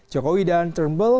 jokowi dan turnbull